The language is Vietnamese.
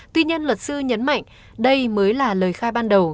tuy nhiên luật sư nhấn mạnh đây mới là lời khai ban đầu